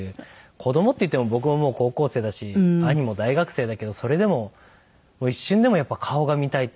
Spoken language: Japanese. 子どもっていっても僕ももう高校生だし兄も大学生だけどそれでも一瞬でもやっぱ顔が見たいっていうのをすごく。